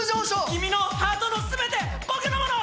君のハートの全て僕のもの！